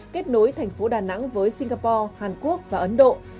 kết nối thành phố đà nẵng với singapore hàn quốc và ấn độ